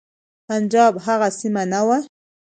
پنجاب هغه سیمه نه وه.